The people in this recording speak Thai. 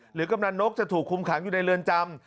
กำนันนกจะถูกคุมขังอยู่ในเรือนจำ